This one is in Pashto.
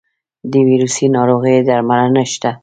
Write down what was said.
د ویروسي ناروغیو درملنه شته؟